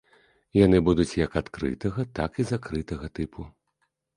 Яны будуць як адкрытага, так і закрытага тыпу.